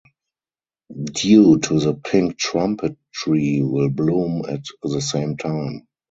Due to the pink trumpet tree will bloom at the same time.